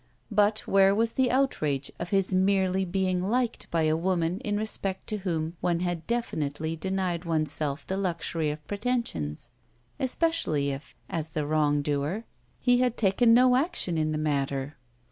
But where was the outrage of his merely being liked by a woman in respect to whom one had definitely denied one's self the luxury of pretensions, especially if, as the wrong doer, he had taken no action in the matter?